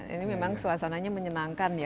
ini memang suasananya menyenangkan